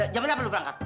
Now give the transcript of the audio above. jam ini apa lu berangkat